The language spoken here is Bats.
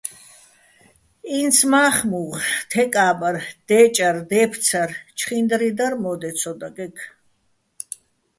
ინც მა́ხ-მუღ, თეკ-ა́ბარ, დე́ჭარ-დე́ფცარ, ჩხინდრი დარ მო́დე ცო დაგეგე̆.